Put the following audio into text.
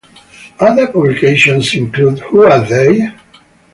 Other publications included Who Are They?